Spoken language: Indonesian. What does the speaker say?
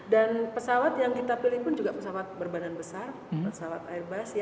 dan pesawat yang kita pilih pun juga pesawat berbanding besar pesawat airbus